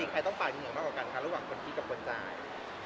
ใครต้องต่างเงินมากกว่ากันคะระหว่างคนที่กับคนใจ